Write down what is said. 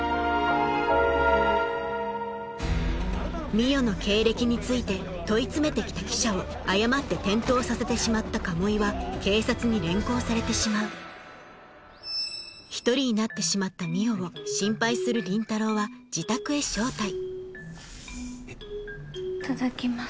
海音の経歴について問い詰めて来た記者を誤って転倒させてしまった鴨居は警察に連行されてしまう１人になってしまった海音を心配する倫太郎は自宅へ招待いただきます。